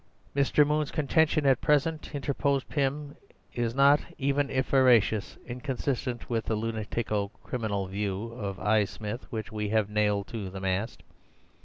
"Mr. Moon's contention at present," interposed Pym, "is not, even if veracious, inconsistent with the lunatico criminal view of I. Smith, which we have nailed to the mast.